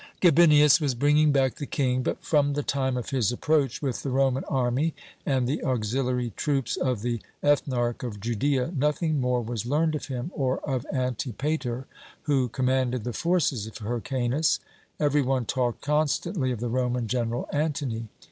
"Gabinius was bringing back the King. But from the time of his approach with the Roman army and the auxiliary troops of the Ethnarch of Judea, nothing more was learned of him or of Antipater, who commanded the forces of Hyrkanus; every one talked constantly of the Roman general Antony.